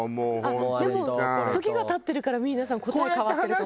でも時が経ってるから皆さん答え変わってるかも。